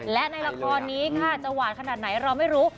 และในละครนี้ค่ะจะหวานขนาดไหนเราไม่รู้